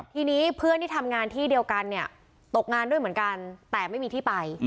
ทีนี้เพื่อนที่ทำงานที่เดียวกันเนี่ยตกงานด้วยเหมือนกันแต่ไม่มีที่ไป